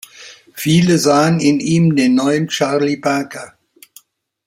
Viele sahen in ihm den neuen Charlie Parker.